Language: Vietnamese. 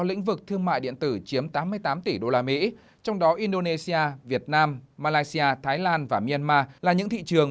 lĩnh vực thương mại điện tử chiếm tám mươi tám tỷ usd trong đó indonesia việt nam malaysia thái lan và myanmar là những thị trường